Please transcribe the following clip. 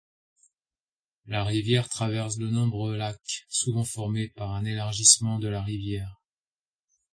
La rivière traverse de nombreux lacs souvent formés par un élargissement de la rivière.